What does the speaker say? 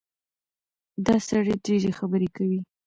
دا سړی ډېرې خبرې کوي.